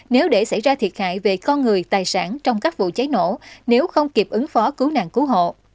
nếu để xảy ra thiệt hại về con người tài sản trong các vụ cháy nổ nếu không kịp ứng phó cứu nạn cứu hộ